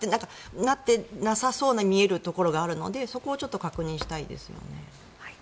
なってなさそうに見えるところがあるのでそこをちょっと確認したいですよね。